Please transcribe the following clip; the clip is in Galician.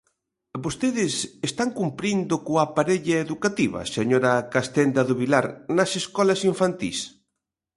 ¿Vostedes están cumprindo coa parella educativa, señora Castenda do Vilar, nas escolas infantís?